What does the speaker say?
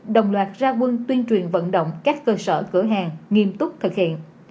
đồng loạt ra quân tuyên truyền vận động các cơ sở cửa hàng nghiêm túc thực hiện